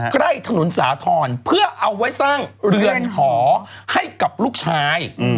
ใกล้ถนนสาธรณ์เพื่อเอาไว้สร้างเรือนหอให้กับลูกชาย